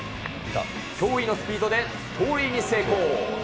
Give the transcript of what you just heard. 驚異のスピードで盗塁に成功。